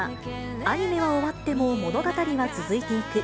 アニメは終わっても、物語は続いていく。